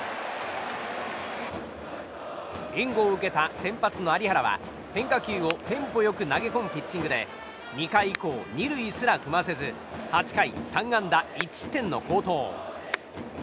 援護を受けた先発の有原は変化球をテンポ良く投げ込むピッチングで２回以降、２塁すら踏ませず８回３安打１失点の好投。